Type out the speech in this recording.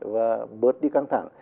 và bớt đi căng thẳng